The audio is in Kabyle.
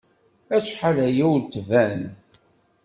Acḥal aya ur d-tban.